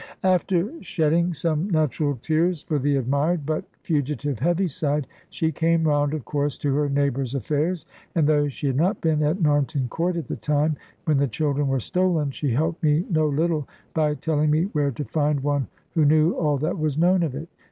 After shedding some natural tears for the admired but fugitive Heaviside, she came round, of course, to her neighbours' affairs; and though she had not been at Narnton Court at the time when the children were stolen, she helped me no little by telling me where to find one who knew all that was known of it.